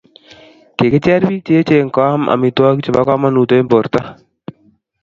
kikicher biik che echen koam amitwogik chebo kamanut eng' borto